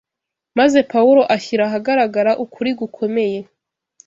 maze Pawulo ashyira ahagaragara ukuri gukomeye